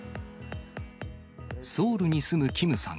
ソウルに住むキムさん